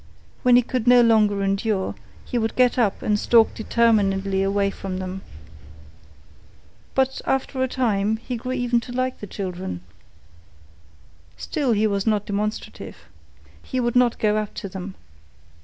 When he could no longer endure, he would get up and stalk determinedly away from them. But after a time, he grew even to like the children. Still he was not demonstrative. He would not go up to them.